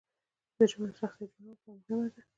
ژبه د شخصیت جوړونې لپاره مهمه ده.